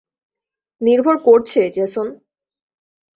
নির্ভর করছে, জেসন।